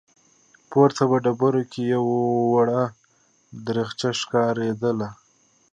پورته په ډبرو کې يوه وړه دريڅه ښکارېدله.